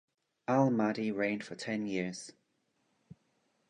Al-Mahdi reigned for ten years.